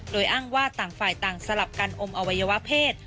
โดยอ้างว่าต่างฝ่ายต่างสลับกันอมอวัยวะเพศ